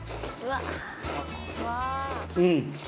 うん！